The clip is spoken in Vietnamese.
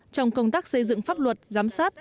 trong công tác giấy